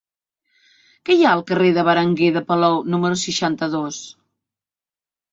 Què hi ha al carrer de Berenguer de Palou número seixanta-dos?